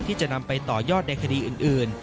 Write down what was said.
ที่จะนำไปต่อยอดในคดีอื่น